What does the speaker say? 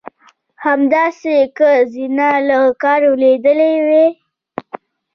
همداسې که زینه له کاره لوېدلې وای.